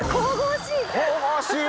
神々しい！